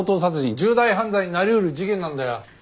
重大犯罪になり得る事件なんだよ。